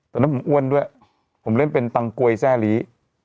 ตอนนั้นผมอ้วนด้วยผมเล่นเป็นตังกวยแซ่ลี